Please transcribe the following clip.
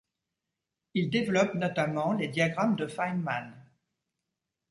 Il y développe notamment les diagrammes de Feynman.